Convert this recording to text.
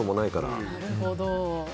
なるほど。